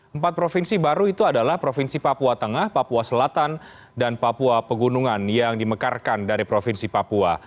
empat provinsi baru itu adalah provinsi papua tengah papua selatan dan papua pegunungan yang dimekarkan dari provinsi papua